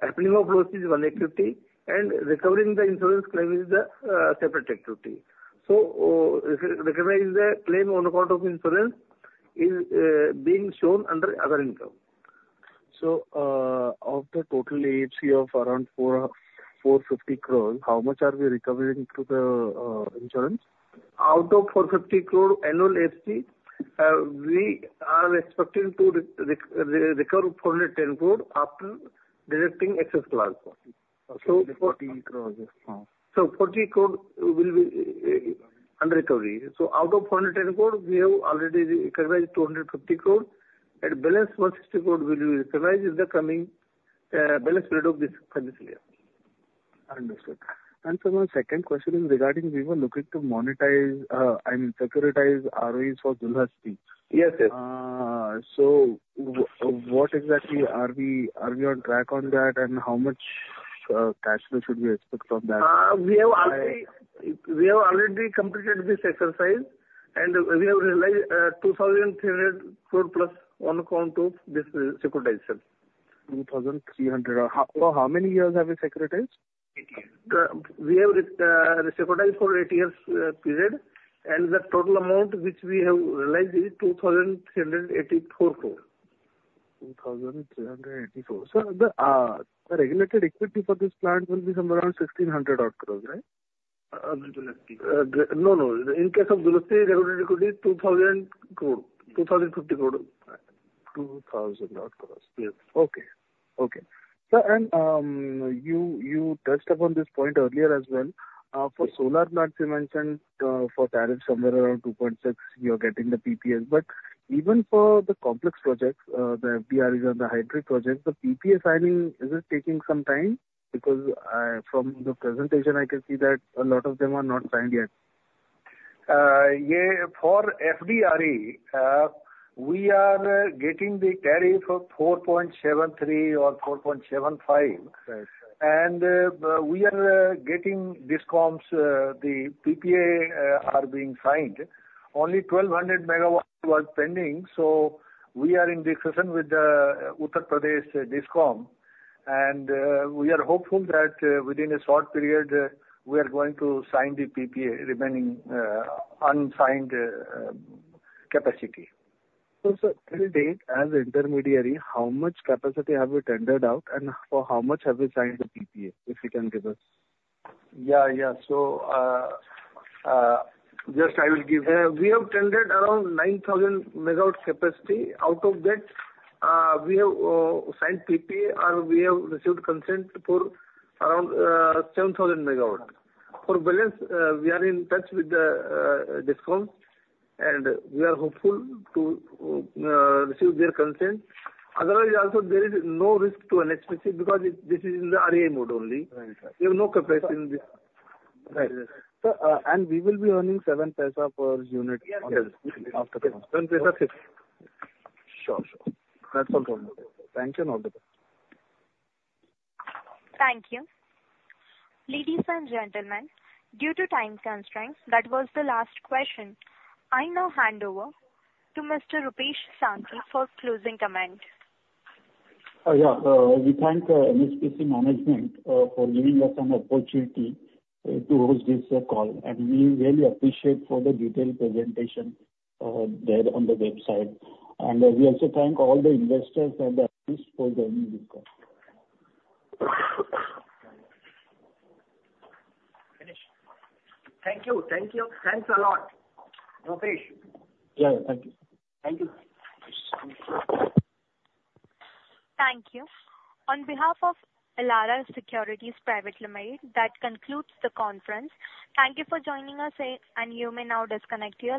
Speaker 4: Happening of loss is one activity and recovering the insurance claim is the separate activity. So recognize the claim on account of insurance is being shown under other income.
Speaker 9: Of the total AFC of around 4. 450 crores. How much are we recovering through the Insurance?
Speaker 4: Out of 450 crore annual FC, we are expecting to recover 410 crore after deducting excess cess. So 40 crore will be under recovery. So out of 110 crore, we have already covered 250 crore. The balance 160 crore will be recognized in the coming.
Speaker 9: Understood. And so my second question is regarding. We were looking to monetize. I mean securitize ROEs for Dulhasti.
Speaker 4: Yes.
Speaker 9: So what exactly are we? Are we on track on that? And how much cash flow should we expect from that?
Speaker 4: We have already completed this exercise and we have realized 23 plus one crore of this securitization 2,300.
Speaker 9: How many years have we securitized?
Speaker 4: We have for eight years period, and the total amount which we have. Realized is 2,384 crore.
Speaker 9: 2,384. The regulated equity for this plant. Will be somewhere around 1,600 odd crores, right?
Speaker 4: No, no. In case of say 2,000 crore. 250 crore.
Speaker 9: 2000.
Speaker 4: Yes.
Speaker 9: Okay. Okay. So and you. You touched upon this point earlier as well. For solar plants you mentioned for tariff somewhere around 2.6 you're getting the PPA. but even for the complex projects the. FDRE is on the hybrid project. The PPA signing is taking some time. Because from the presentation I can see. That a lot of them are not signed yet.
Speaker 3: For FDRE we are getting the tariff of 4.73 or 4.75 and we are getting discoms. The PPA are being signed. Only 1,200 megawatts was pending, so we are in discussion with the Uttar Pradesh Discom, and we are hopeful that within a short period we are going to sign the PPA remaining unsigned capacity.
Speaker 9: As intermediary. How much capacity have we tendered out and for how much have we signed the PPA? If you can give us.
Speaker 3: Yeah, yeah. So just I will give. We have tendered around 9,000 megawatt capacity. Out of that we have signed PPA and we have received consent for around 7,000 megawatt. For balance we are in touch with the discoms and we are hopeful to receive their consent. Otherwise also there is no risk to an expense. Because this is in the RA mode only. We have no capacity. We will be earning 0.07 per unit. Sure. That's all from the day.
Speaker 9: Thank you.
Speaker 1: Thank you. Ladies and gentlemen. Due to time constraints, that was the last question. I now hand over to Mr. Rupesh Sankhe for closing comment.
Speaker 2: We thank NHPC Management for giving us an opportunity to host this call, and we really appreciate for the detailed presentation there on the website, and we also thank all the investors.
Speaker 10: Thank you. Thank you.
Speaker 3: Thanks a lot.
Speaker 1: Thank you. On behalf of Elara Securities Private Limited. That concludes the conference. Thank you for joining us, and you may now disconnect your line.